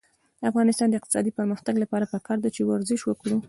د افغانستان د اقتصادي پرمختګ لپاره پکار ده چې ورزش وکړو.